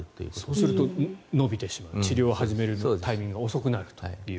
そうすると延びてしまう治療を始めるタイミングが遅くなると。